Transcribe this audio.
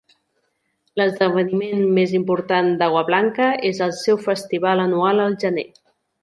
L'esdeveniment més important d'Agua Blanca és el seu festival anual al gener.